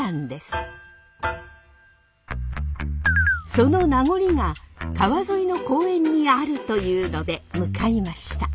その名残が川沿いの公園にあるというので向かいました。